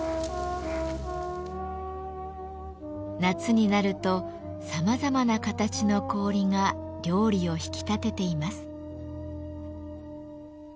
夏になるとさまざまな形の氷が料理を引き立てています。